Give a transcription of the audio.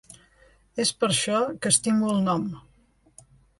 És per això que estimo el nom.